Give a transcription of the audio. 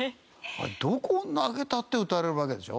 あれどこに投げたって打たれるわけでしょ？